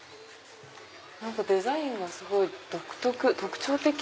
デザインがすごい独特特徴的。